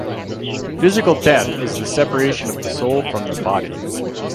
Physical death is the separation of the soul from the body.